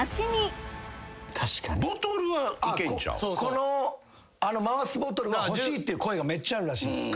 この回すボトル欲しいっていう声めっちゃあるらしいっす。